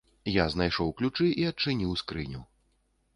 Я знайшоў ключы і адчыніў скрыню.